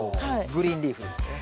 グリーンリーフですね。